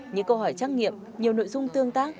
những câu hỏi trắc nghiệm nhiều nội dung tương tác